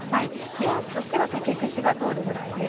目安としては竹串が通るぐらいです。